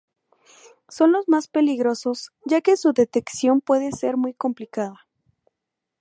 Son los más peligrosos, ya que su detección puede ser muy complicada.